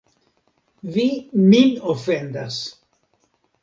Vi min ofendas!